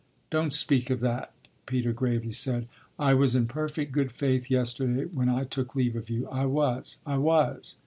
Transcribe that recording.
"Don't speak of that," Peter gravely said. "I was in perfect good faith yesterday when I took leave of you. I was I was.